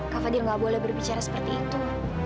kak fadil nggak boleh berbicara seperti itu